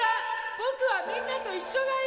僕はみんなと一緒がいい！